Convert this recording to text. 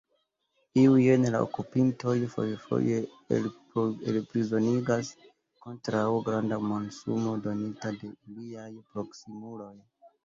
Iujn la okupintoj fojfoje elprizonigas kontraŭ granda monsumo donita de iliaj proksimuloj.